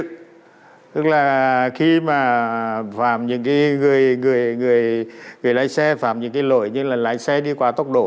tức là khi mà phạm những cái người người lái xe phạm những cái lỗi như là lái xe đi qua tốc độ